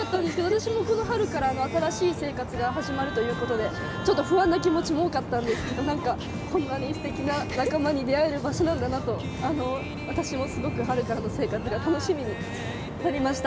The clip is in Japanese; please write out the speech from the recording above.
私もこの春から新しい生活が始まるということでちょっと、不安な気持ちも多かったんですがこんな、すてきな仲間に出会える場所なんだなと私もすごく春からの生活が楽しみになりました。